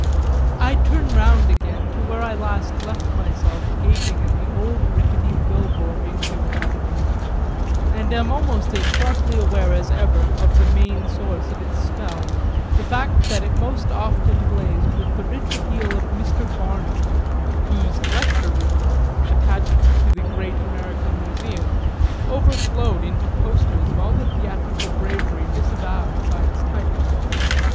XII I turn round again to where I last left myself gaping at the old ricketty bill board in Fifth Avenue; and am almost as sharply aware as ever of the main source of its spell, the fact that it most often blazed with the rich appeal of Mr. Barnum, whose "lecture room," attached to the Great American Museum, overflowed into posters of all the theatrical bravery disavowed by its title.